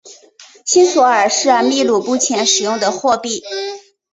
新索尔是秘鲁目前使用的货币。